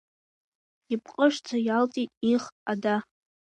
Ипҟышӡа иалҵит их ада!